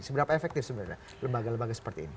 seberapa efektif sebenarnya lembaga lembaga seperti ini